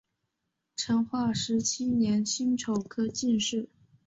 成化十七年辛丑科进士。